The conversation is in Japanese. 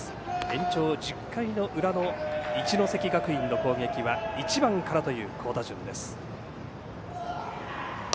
延長１０回の裏の一関学院の攻撃は１番からという好打順。